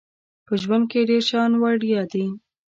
په ژوند کې ډیر شیان وړيا دي